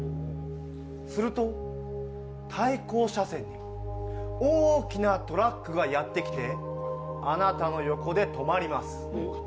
すると、対向車線に大きなトラックがやってきて、あなたの横で止まります。